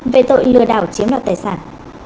về tội lừa đảo chiếm đoạt tài sản